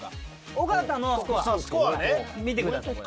尾形のスコア見てください。